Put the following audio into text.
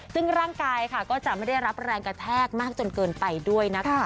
ซึ่งร่างกายค่ะก็จะไม่ได้รับแรงกระแทกมากจนเกินไปด้วยนะคะ